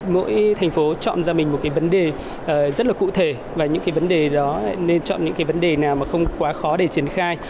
mỗi thành phố chọn ra mình một cái vấn đề rất là cụ thể và những cái vấn đề đó nên chọn những cái vấn đề nào mà không quá khó để triển khai